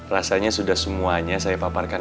rasanya sudah semuanya saya paparkan